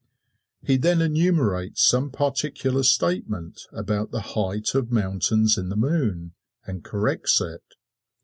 He then enumerates some particular statement about the height of mountains in the moon, and corrects it.